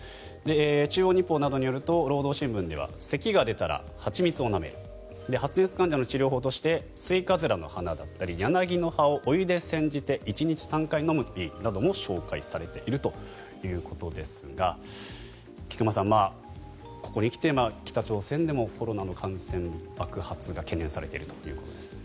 中央日報などによると労働新聞では熱が出たら蜂蜜をなめるまた、発熱患者に治療法としてスイカズラの花だったりヤナギの葉名をお湯で煎じて１日３回飲むなど紹介されているということですが菊間さん、ここに来て北朝鮮でもコロナの感染爆発が懸念されているということです。